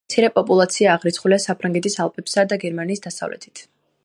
მცირე პოპულაცია აღრიცხულია საფრანგეთის ალპებსა და გერმანიის დასავლეთით.